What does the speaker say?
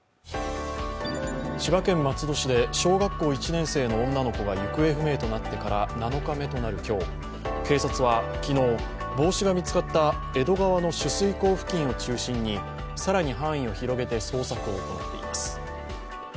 千葉県松戸市で小学１年生の女の子が行方不明となってから７日目となる今日、警察は昨日、帽子が見つかった江戸川の取水口付近を中心に、更に範囲を広げて捜索を行っています。